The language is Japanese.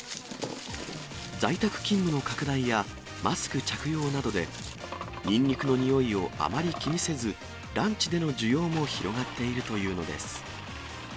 在宅勤務の拡大や、マスク着用などで、ニンニクのにおいをあまり気にせず、ランチでの需要も広がっているというのです。